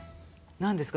何ですか？